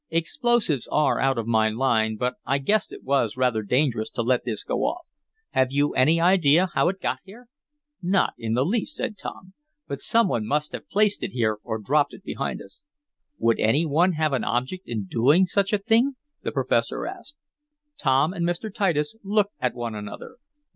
"Explosives are out of my line, but I guessed it was rather dangerous to let this go off. Have you any idea how it got here?" "Not in the least," said Tom. "But some one must have placed it here, or dropped it behind us." "Would any one have an object in doing such a thing?" the professor asked. Tom and Mr. Titus looked at one another.